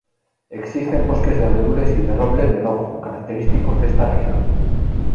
Existen bosques de abedules y de roble melojo, característicos de esta región.